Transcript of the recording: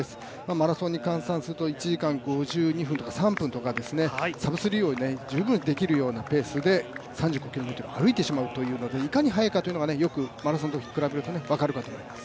マラソンに換算すると１時間５２分とか３分、サブスリーを十分できるようなペースで３５ｋｍを歩いてしまうということでいかに速いかというのがマラソンと比べると分かると思います。